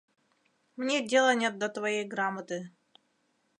Мне дела нет до твоей грамоты.